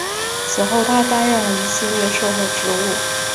此后他担任了一系列社会职务。